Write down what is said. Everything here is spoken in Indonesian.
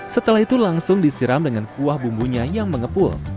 setelah itu langsung disiram dengan kuah bumbunya yang mengepul